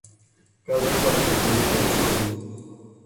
გარდაცვალების მიზეზი უცნობია.